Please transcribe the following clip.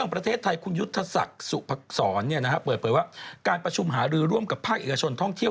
เปิดว่าการประชุมหารือร่วมกับภาคเอกชนท่องเที่ยว